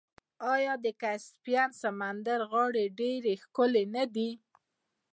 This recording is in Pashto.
آیا د کسپین سمندر غاړې ډیرې ښکلې نه دي؟